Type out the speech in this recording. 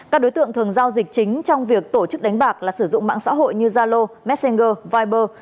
các đối tượng thường giao dịch chính trong việc tổ chức đánh bạc là sử dụng mạng xã hội như zalo messenger viber